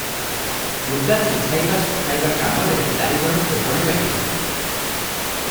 ଲୁଗା ସିଝାଇବା ଶୁଖାଇବା କାମରେ ଚାରି ଜଣ ଧୋବଣୀ ଲାଗିଛନ୍ତି ।